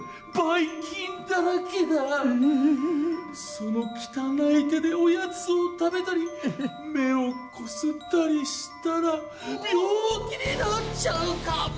そのきたないてでおやつをたべたりめをこすったりしたらびょうきになっちゃうかも？